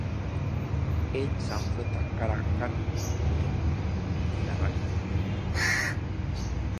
Ell s'enfronta cara a cara amb Pluto, que l'ataca.